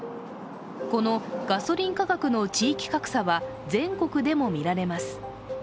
このガソリン価格の地域格差は全国でもみられます。